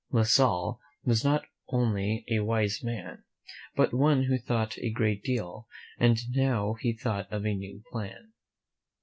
La Salle was not only a wise man, but one who thought a great deal, and now he thought of a new plan.